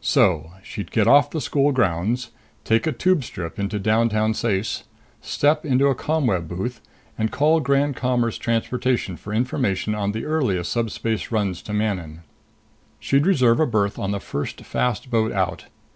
So ... she'd get off the school grounds, take a tube strip into downtown Ceyce, step into a ComWeb booth, and call Grand Commerce transportation for information on the earliest subspace runs to Manon. She'd reserve a berth on the first fast boat out.